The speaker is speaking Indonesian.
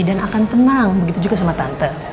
dan akan tenang begitu juga sama tante